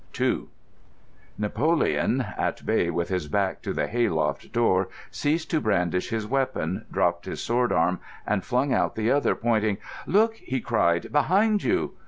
II Napoleon, at bay with his back to the hay loft door, ceased to brandish his weapon, dropped his sword arm and flung out the other, pointing: "Look!" he cried. "Behind you!"